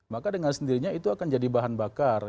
maka dengan sendirinya itu akan jadi bahan bakar